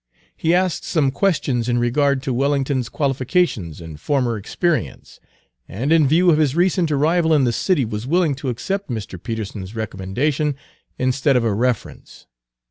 He asked some questions in regard to Wellington's qualifications and former experience, and in view of his recent arrival in the city was willing to accept Mr. Peterson's recommendation instead of a reference.